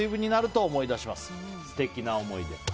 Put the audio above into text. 素敵な思い出。